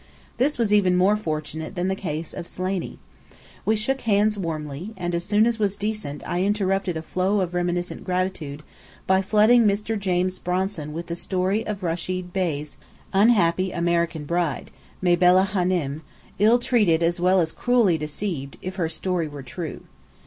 This was even more fortunate than the case of Slaney. We shook hands warmly, and as soon as was decent, I interrupted a flow of reminiscent gratitude by flooding Mr. James Bronson with the story of Rechid Bey's unhappy American bride, Mabella Hânem, ill treated as well as cruelly deceived, if her story were true.